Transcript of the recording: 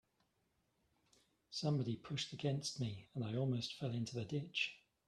Somebody pushed against me, and I almost fell into the ditch.